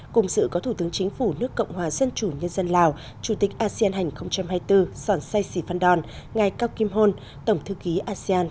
cùng dự có thủ tướng chính phủ nước cộng hòa dân chủ nhân dân lào chủ tịch asean hành hai mươi bốn sòn say si phan don ngài cao kim hôn tổng thư ký asean